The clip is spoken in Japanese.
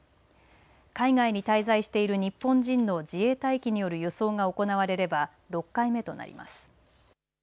海外に滞在している日本人の自衛隊機による輸送が行われれば６回目となります。